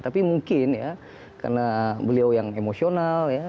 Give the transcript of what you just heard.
tapi mungkin ya karena beliau yang emosional ya